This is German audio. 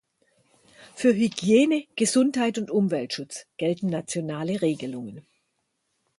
Für „Hygiene, Gesundheit und Umweltschutz“ gelten nationale Regelungen.